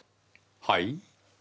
はい？